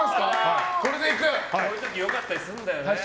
こういう時良かったりするんだよね。